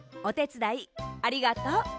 おてつだいありがとう。